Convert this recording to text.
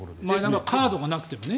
カードがなくてもね。